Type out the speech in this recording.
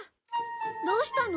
どうしたの？